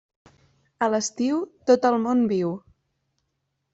A l'estiu, tot el món viu.